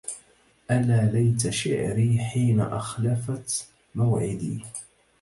ألا ليت شعري حين أخلفت موعدي